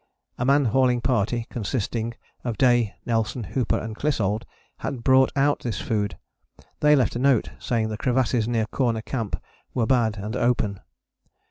A man hauling party consisting of Day, Nelson, Hooper and Clissold had brought out this food; they left a note saying the crevasses near Corner Camp were bad and open.